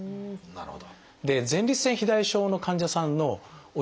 なるほど。